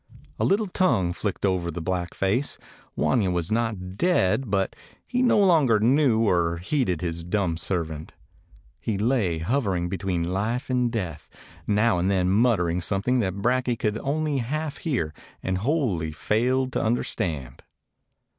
A little tongue flicked over the black face. Wanya was not dead, but he no longer knew or heeded his dumb servant. He lay, hover ing between life and death, now and then mut tering something that Brakje could only half hear and wholly failed to understand.